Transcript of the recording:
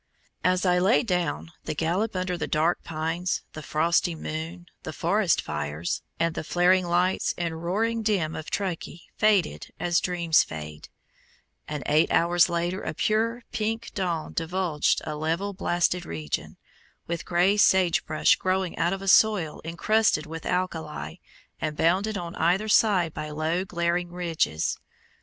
As I lay down, the gallop under the dark pines, the frosty moon, the forest fires, the flaring lights and roaring din of Truckee faded as dreams fade, and eight hours later a pure, pink dawn divulged a level blasted region, with grey sage brush growing out of a soil encrusted with alkali, and bounded on either side by low glaring ridges.